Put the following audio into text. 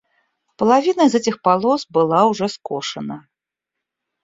Половина из этих полос была уже скошена.